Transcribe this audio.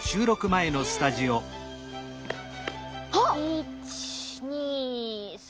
１２３。